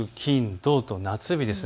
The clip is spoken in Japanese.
土と夏日です。